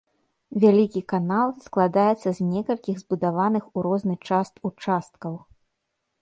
Вялікі канал складаецца з некалькіх збудаваных у розны час участкаў.